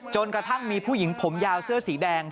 กระทั่งมีผู้หญิงผมยาวเสื้อสีแดง